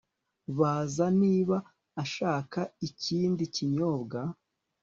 Baza niba ashaka ikindi kinyobwa